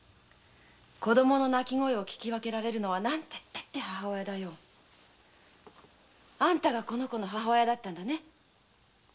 子供の泣き声を聞き分けられるのは母親だよ。あんたがこの子の母親だったんだね。